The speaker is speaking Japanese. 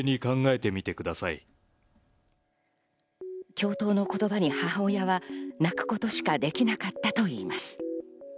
教頭の言葉に母親は泣くことしかできなかったといいます。